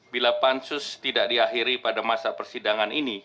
bila pansus tidak diakhiri pada masa persidangan ini